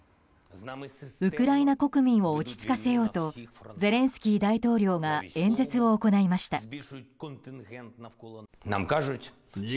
ウクライナ国民を落ち着かせようとゼレンスキー大統領が演説を行いました。